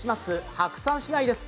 白山市内です。